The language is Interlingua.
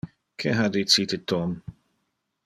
Que ha dicite Tom?